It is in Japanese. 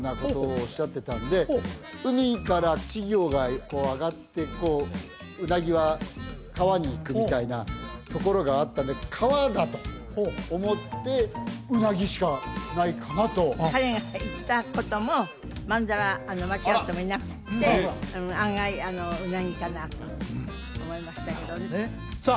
おっしゃってたんで海から稚魚がこうあがってうなぎは川に行くみたいなところがあったんで川だと思ってうなぎしかないかなと彼が言ったこともまんざら間違ってもいなくて案外うなぎかなと思いましたけどねさあ